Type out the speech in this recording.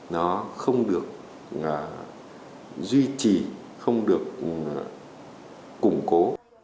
nó không được duy trì không được củng cố